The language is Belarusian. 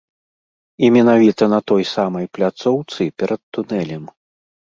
І менавіта на той самай пляцоўцы перад тунэлем.